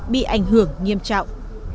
bị ảnh hưởng nghiêm trọng